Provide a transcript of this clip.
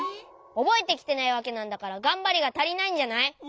おぼえてきてないわけなんだからがんばりがたりないんじゃない？